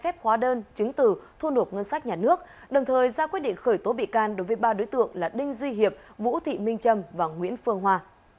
cơ quan an ninh điều tra công an tp hcm đã ra quyết định khởi tố bị can đối với ba đối tượng là đinh duy hiệp vũ thị minh trâm và nguyễn phương hoa